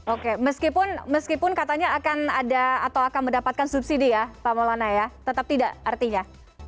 oke meskipun katanya akan ada atau akan mendapatkan subsidi ya pak maulana ya tetap tidak artinya